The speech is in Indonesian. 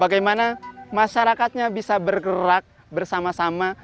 bagaimana masyarakatnya bisa bergerak bersama sama